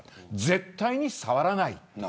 絶対に触らない。